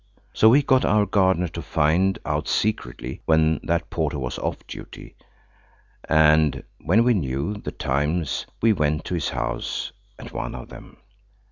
So we got our gardener to find out secretly when that porter was off duty, and when we knew the times we went to his house at one of them.